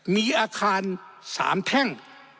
มีอาคารสามแท่ง